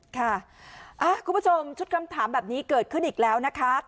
คุณผู้ชมชุดคำถามแบบนี้เกิดขึ้นอีกแล้วนะคะ